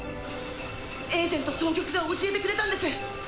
エージェントソウギョクが教えてくれたんです。